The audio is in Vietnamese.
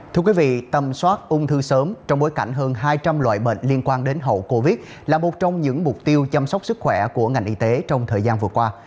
thưa quý vị tâm soát ung thư sớm trong bối cảnh hơn hai trăm linh loại bệnh liên quan đến hậu covid là một trong những mục tiêu chăm sóc sức khỏe của ngành y tế trong thời gian vừa qua